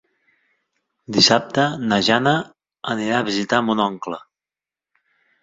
Dissabte na Jana anirà a visitar mon oncle.